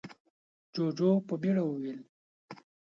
جُوجُو په بيړه وويل: